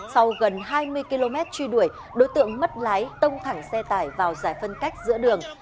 sau gần hai mươi km truy đuổi đối tượng mất lái tông thẳng xe tải vào giải phân cách giữa đường